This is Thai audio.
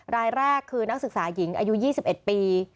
รายแรกคือนักศึกษาหญิงอายุ๒๑ปี